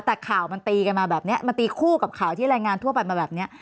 แต่ข่าวมันตีกันมาแบบนี้มันตีคู่กับข่าวที่รายงานทั่วไปมาแบบนี้